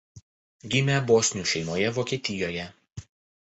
Gimė bosnių šeimoje Vokietijoje.